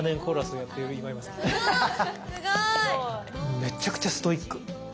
めちゃくちゃストイック。